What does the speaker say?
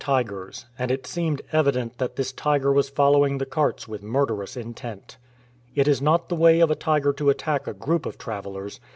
SOME TIGER ADVENTURES tigei's ; and it seemed evident that this tiger was following the carts with murderous intent. It is not the way of a tiger to attack a group of travellers.